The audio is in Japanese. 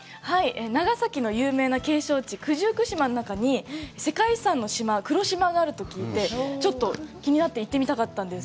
長崎の有名な景勝地、九十九島の中に世界遺産の島、黒島があると聞いて、ちょっと気になって行ってみたかったんです。